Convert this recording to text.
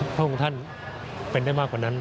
พระองค์ท่านเป็นได้มากกว่านั้น